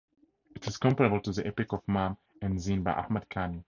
It is comparable to the epic of "Mam and Zin" by Ahmad Khani.